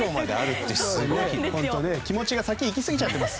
気持ちが先にいきすぎちゃってます。